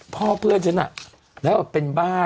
พ่อเพื่อนฉันอ่ะแล้วเป็นบ้าน